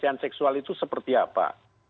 pelayanan seksual itu seperti apa